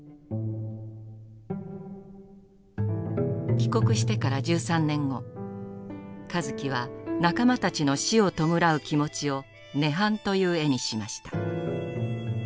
帰国してから１３年後香月は仲間たちの死を弔う気持ちを「涅槃」という絵にしました。